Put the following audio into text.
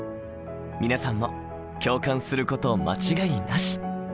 皆さんも共感すること間違いなし！